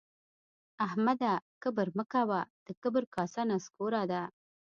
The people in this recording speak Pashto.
احمده کبر مه کوه؛ د کبر کاسه نسکوره ده